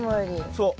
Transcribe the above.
そう。